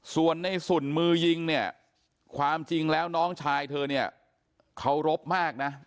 ส่วนในสุนมือยิงเนี่ยความจริงแล้วน้องชายเธอเนี่ยเคารพมากนะ